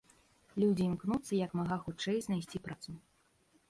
Людзі імкнуцца як мага хутчэй знайсці працу.